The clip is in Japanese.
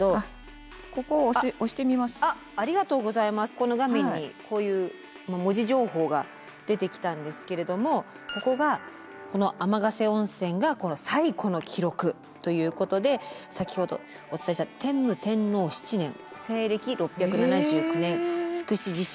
この画面にこういう文字情報が出てきたんですけれどもここがこの天ヶ瀬温泉が最古の記録ということで先ほどお伝えした天武天皇７年西暦６７９年筑紫地震。